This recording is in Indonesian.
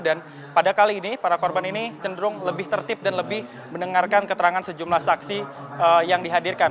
dan pada kali ini para korban ini cenderung lebih tertib dan lebih mendengarkan keterangan sejumlah saksi yang dihadirkan